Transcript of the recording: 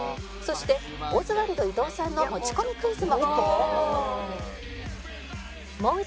そしてオズワルド伊藤さんの持ち込みクイズも